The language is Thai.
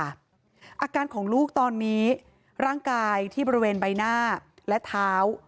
อาการของลูกตอนนี้ร่างกายที่บริเวณใบหน้าและเท้า